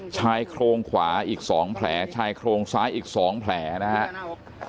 ชายโครงขวาอีก๒แผลชายโครงซ้ายอีก๒แผลนะครับ